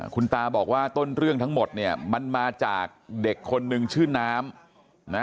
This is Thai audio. คุณตาบอกว่าต้นเรื่องทั้งหมดเนี่ยมันมาจากเด็กคนนึงชื่อน้ำนะ